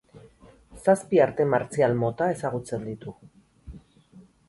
Zazpi arte martzial mota ezagutzen ditu.